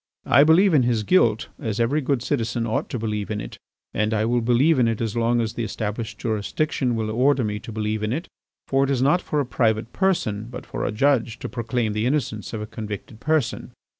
I believe in his guilt as every good citizen ought to believe in it; and I will believe in it as long as the established jurisdiction will order me to believe in it, for it is not for a private person but for a judge to proclaim the innocence of a convicted person.